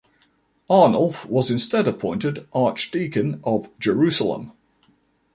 Arnulf was instead appointed archdeacon of Jerusalem.